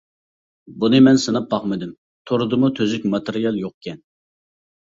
بۇنى مەن سىناپ باقمىدىم، توردىمۇ تۈزۈك ماتېرىيال يوقكەن.